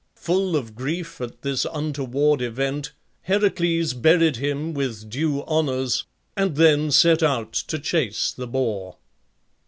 Full of grief at this untoward event, Heracles buried him with due honours, and then set out to chase the boar.